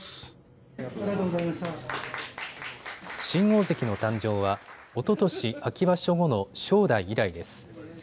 新大関の誕生はおととし秋場所後の正代以来です。